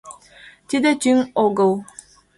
— Тиде тӱҥ огыл.